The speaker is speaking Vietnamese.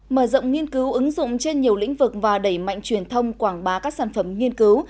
mở rộng nghiên cứu ứng dụng trên nhiều lĩnh vực và đẩy mạnh truyền thông quảng bá các sản phẩm nghiên cứu